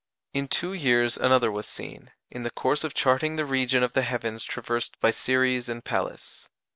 In two years another was seen, in the course of charting the region of the heavens traversed by Ceres and Pallas.